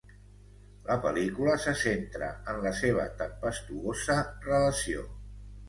La pel·lícula se centra en la seva tempestuosa relació.